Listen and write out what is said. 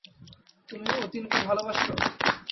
তুমি অতীনকে ভালোবাস?